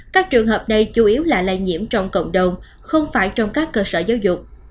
các trường hợp này chủ yếu là lây nhiễm trong cộng đồng không phải trong các cơ sở giáo dục